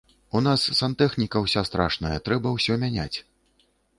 У нас сантэхніка ўся страшная, трэба ўсё мяняць.